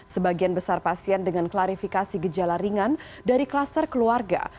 sebagian besar pasien dengan klarifikasi gejala ringan dari kluster keluarga